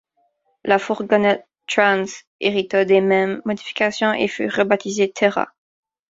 La fourgonette Trans hérita des mêmes modifications et fut rebaptisée Terra.